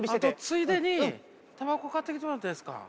ついでにタバコ買ってきてもらっていいですか？